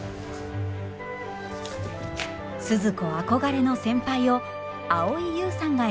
鈴子憧れの先輩を蒼井優さんが演じます。